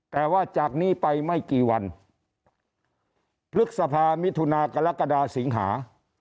แต่ว่าจากนี้ไปไม่กี่วันพฤษภามิถุนากรกฎาสิงหา